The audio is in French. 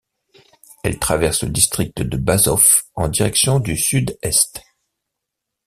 Elle traverse le district de Bazoft en direction du sud-est.